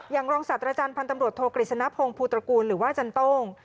อย่างรองศาสตร์อาจารย์พันธ์ตำรวจโทรกฤษณพงศ์ภูตระกูลหรือว่าจันโต้ง